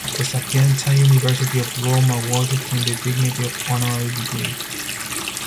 The Sapienza University of Rome awarded him the dignity of Honorary degree.